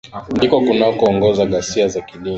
ndiko kunakoanza ghasia za kidini